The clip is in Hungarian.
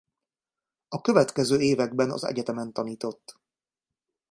A következő években az egyetemen tanított.